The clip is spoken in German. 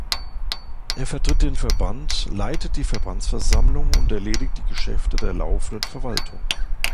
Er vertritt den Verband, leitet die Verbandsversammlung und erledigt die Geschäfte der laufenden Verwaltung.